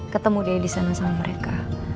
ketemu dia disana sama mereka